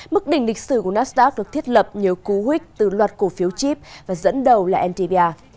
mức đỉnh lịch sử của nasdaq được thiết lập nhờ cú huyết từ loạt cổ phiếu chip và dẫn đầu là ntvr